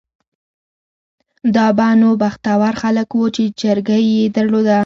دا به نو بختور خلک وو چې چرګۍ یې درلوده.